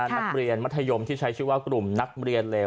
นักเรียนมัธยมที่ใช้ชื่อว่ากลุ่มนักเรียนเลว